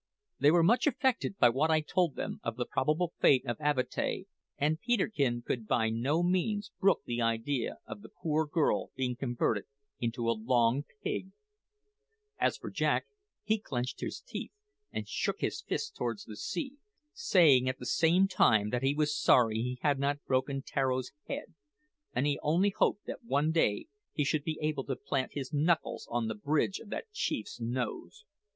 They were much affected by what I told them of the probable fate of Avatea, and Peterkin could by no means brook the idea of the poor girl being converted into a long pig! As for Jack, he clenched his teeth, and shook his fist towards the sea, saying at the same time that he was sorry he had not broken Tararo's head, and he only hoped that one day he should be able to plant his knuckles on the bridge of that chief's nose!